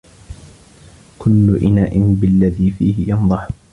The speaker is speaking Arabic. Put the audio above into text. كل إناء بالذي فيه ينضح